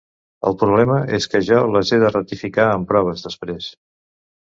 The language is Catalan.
El problema és que jo les he de ratificar amb proves, després.